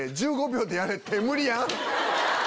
１５秒でやれ！って無理やん！